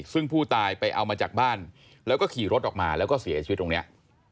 ซึ่งผู้ตายไปเอามาจากบ้านแล้วก็ขี่รถออกมาแล้วก็เสียชีวิตตรงนี้